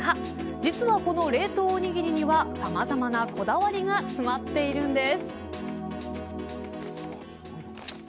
実はこの冷凍おにぎりにはさまざまなこだわりが詰まっているんです。